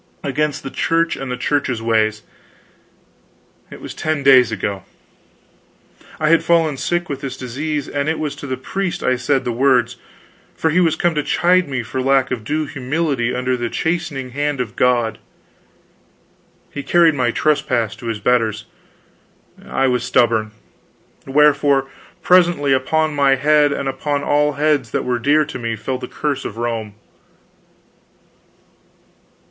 against the Church and the Church's ways. It was ten days ago. I had fallen sick with this disease, and it was to the priest I said the words, for he was come to chide me for lack of due humility under the chastening hand of God. He carried my trespass to his betters; I was stubborn; wherefore, presently upon my head and upon all heads that were dear to me, fell the curse of Rome.